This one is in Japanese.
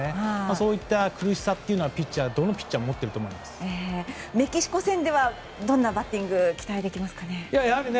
そういった苦しさはどのピッチャーもメキシコ戦ではどんなバッティングが期待できますか？